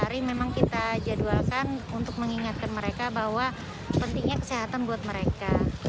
jadi memang kita jadwalkan untuk mengingatkan mereka bahwa pentingnya kesehatan buat mereka